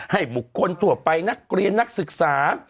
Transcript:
บุคคลทั่วไปนักเรียนนักศึกษา